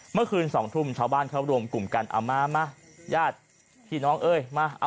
เมื่อคืน๒ทุ่มชาวบ้านเขารวมกลุ่มกันเอามามาญาติพี่น้องเอ้ยมา